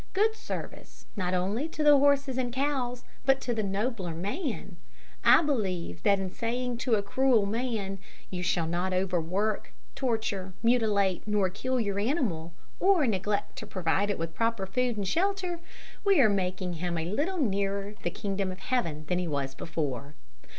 Good service not only to the horses and cows, but to the nobler animal, man. I believe that in saying to a cruel man, 'You shall not overwork, torture, mutilate, nor kill your animal, or neglect to provide it with proper food and shelter,' we are making him a little nearer the kingdom of heaven than he was before.